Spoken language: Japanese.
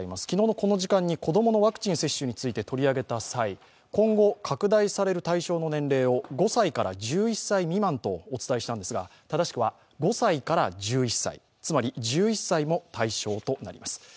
昨日のこの時間に子供のワクチン接種について取り上げた際今後、拡大される対象の年齢を５歳から１１歳未満とお伝えしたんですが、正しくは５歳から１１歳つまり１１歳も対象となります。